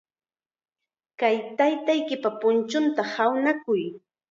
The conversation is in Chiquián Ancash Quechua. Kay taytaykipa punchunta hawnakuy.